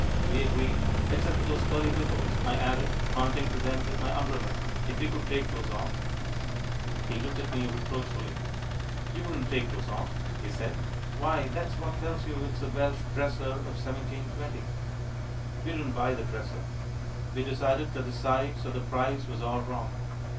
We agreed. "Except for those curley wiggles," I added, pointing to them with my umbrella. "If we could take those off." He looked at me reproachfully. "You wouldn't take those off " he said. "Why, that's what tells you that it's a Welsh dresser of 1720." We didn't buy that dresser. We decided that the size or the price was all wrong.